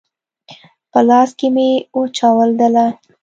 په لاس کي مي وچاودله !